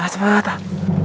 ayo cepet lah